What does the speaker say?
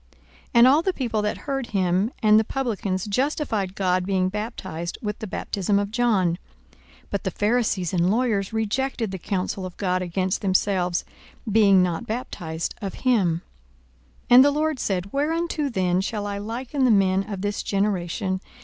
42:007:029 And all the people that heard him, and the publicans, justified God, being baptized with the baptism of John. 42:007:030 But the Pharisees and lawyers rejected the counsel of God against themselves, being not baptized of him. 42:007:031 And the Lord said, Whereunto then shall I liken the men of this generation?